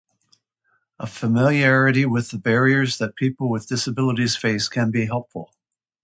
A familiarity with the barriers that people with disabilities face can be helpful.